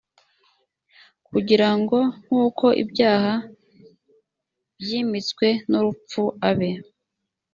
kugira ngo nk uko ibyaha byimitswe n urupfu abe